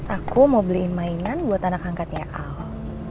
aku mau beliin mainan buat anak angkatnya al